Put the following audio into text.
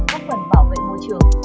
góp phần bảo vệ môi trường